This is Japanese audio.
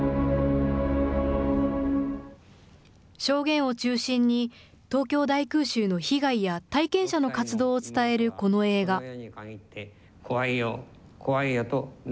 証言を中心に東京大空襲の被害や体験者の活動を伝えるこの映画。